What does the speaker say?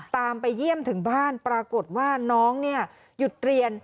ไปเยี่ยมถึงบ้านปรากฏว่าน้องเนี่ยหยุดเรียน